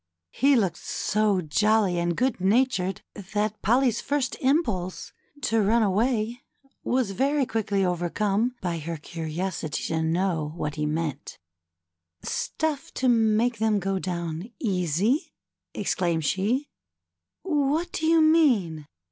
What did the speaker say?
He looked so jolly and good natured that Polly's first 163 164 THE CHILDREN'S WONDER BOOK. impulse to run away was very quickly overcome by her curiosity to know what he meant. " Stuff to make them go down easy ?" exclaimed she. " What do you mean